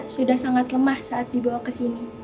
sudah sangat lemah saat dibawa kesini